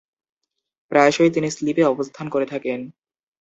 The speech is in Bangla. প্রায়শঃই তিনি স্লিপে অবস্থান করে থাকেন।